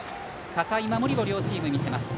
堅い守りを両チーム見せます。